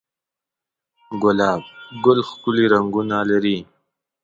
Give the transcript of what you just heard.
گلاب گل ښکلي رنگونه لري